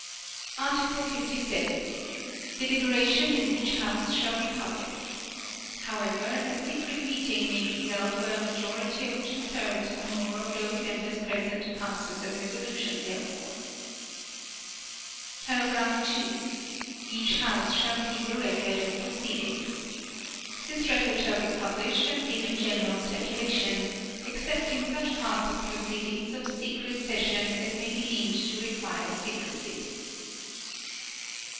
Article 57. Deliberation in each House shall be public. However, a secret meeting may be held where a majority of two thirds or more of those members present passes a resolution therefor. (2) Each House shall keep a record of proceedings. This record shall be published and given general circulation, excepting such parts of proceedings of secret session as may be deemed to require secrecy.